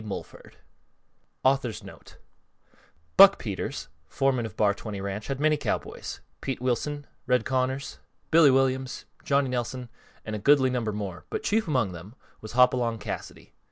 Mulford_ _Buck Peters, foreman of Bar 20 Ranch had many cowboys; Pete Wilson, Red Connors, Billy Williams, Johnny Nelson, and a goodly number more, but chief among them was Hopalong Cassidy.